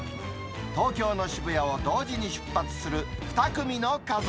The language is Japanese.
東京の渋谷を同時に出発する２組の家族。